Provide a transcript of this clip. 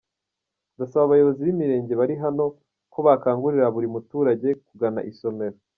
Ndasaba abayobozi b’Imirenge bari hano ko bakangurira buri muturage kugana isomero”.